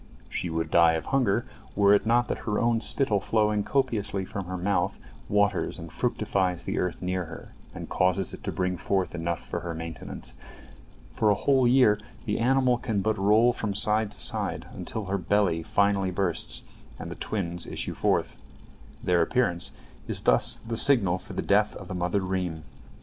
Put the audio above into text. She would die of hunger, were it not that her own spittle flowing copiously from her mouth waters and fructifies the earth near her, and causes it to bring forth enough for her maintenance. For a whole year the animal can but roll from side to side, until finally her belly bursts, and the twins issue forth. Their appearance is thus the signal for the death of the mother reem.